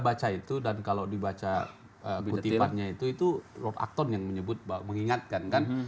baca itu dan kalau dibaca betiannya itu itu rotakton yang menyebut bahwa mengingatkan kan